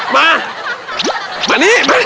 มานี่มานี่มานี่